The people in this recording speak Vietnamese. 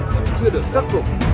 vẫn chưa được cắt cục